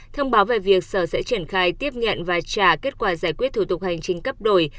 thông báo về việc sở sẽ triển khai tiếp nhận và trả kết quả giải quyết thủ tục hành trình cấp đổi